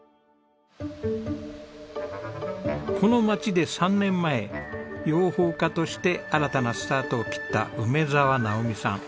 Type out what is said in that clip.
この町で３年前養蜂家として新たなスタートを切った梅澤直美さん。